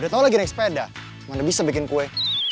udah tau lagi naik sepeda mana bisa bikin kue